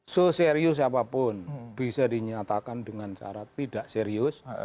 so serius apapun bisa dinyatakan dengan cara tidak serius